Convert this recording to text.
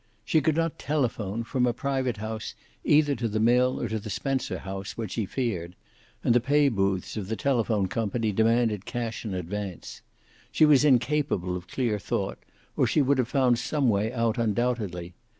She could not telephone from a private house, either to the mill or to the Spencer house, what she feared, and the pay booths of the telephone company demanded cash in advance. She was incapable of clear thought, or she would have found some way out, undoubtedly.